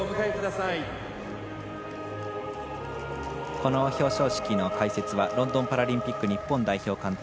この表彰式の解説はロンドンパラリンピック日本代表監督